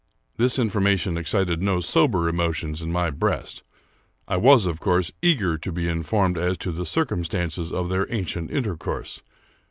This information excited no sober emotions in my breast. I was, of course, eager to be informed as to the circum stances of their ancient intercourse.